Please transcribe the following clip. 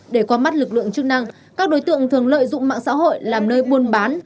để qua mắt lực lượng chức năng các đối tượng thường lợi dụng mạng xã hội làm nơi buôn bán